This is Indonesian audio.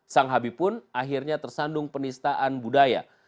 sang habib pun akhirnya tersandung penistaan budaya